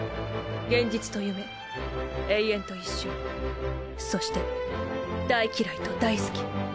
現実と夢永遠と一瞬そして大嫌いと大好き。